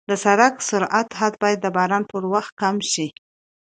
د سړک سرعت حد باید د باران په وخت کم شي.